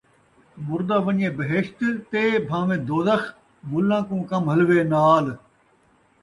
مُردہ ون٘ڄے بہشت تے بھان٘ویں دوزخ ، مُلاں کوں کم حلوے نال